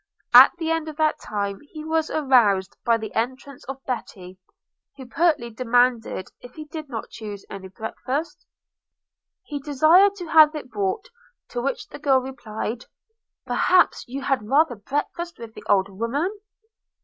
At the end of that time he was aroused by the entrance of Betty, who pertly demanded if he did not choose any breakfast? He desired to have it brought. To which the girl replied, 'Perhaps you had rather breakfast with the old women?'